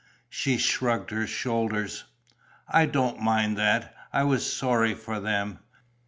She shrugged her shoulders: "I don't mind that. I was sorry for them